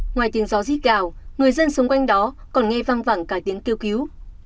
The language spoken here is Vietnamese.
ngoài tiếng gió giít gào người dân xung quanh đó còn nghe văng vẳng cả tiếng kêu cứu